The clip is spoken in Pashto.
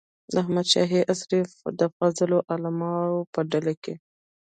د احمد شاهي عصر د فاضلو علماوو په ډله کې.